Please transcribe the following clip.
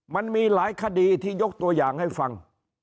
มันมีหลายคดีที่ยกตัวอย่างให้ฟัง